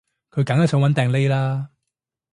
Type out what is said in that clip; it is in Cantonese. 佢梗係想搵掟匿喇